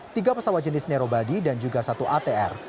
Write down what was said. tiga pesawat jenis nerobody dan juga satu atr